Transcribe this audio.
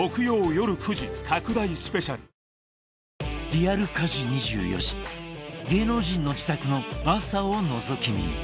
リアル家事２４時芸能人の自宅の朝をのぞき見。